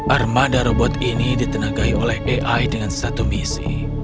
armada robot ini ditenagai oleh ai dengan satu misi